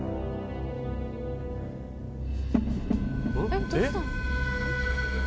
「えっどうしたの？」